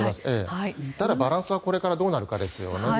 ただ、バランスはどうなるかですよね。